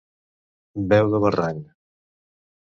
Veu de barranc.